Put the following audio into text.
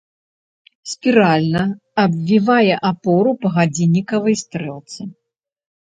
Спіральна абвівае апору па гадзіннікавай стрэлцы.